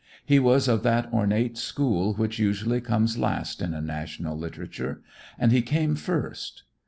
He was of that ornate school which usually comes last in a national literature, and he came first.